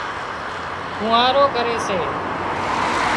ڦوهارو ڪري سي